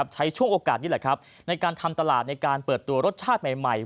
ใช้ช่วงโอกาสนี้แหละครับในการทำตลาดในการเปิดตัวรสชาติใหม่